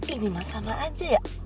ini mah sama aja ya